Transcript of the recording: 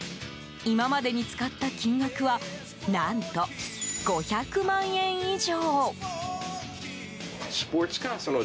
今までに使った金額は何と５００万円以上。